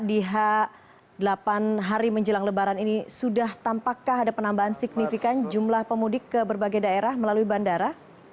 di delapan hari menjelang lebaran ini sudah tampakkah ada penambahan signifikan jumlah pemudik ke berbagai daerah melalui bandara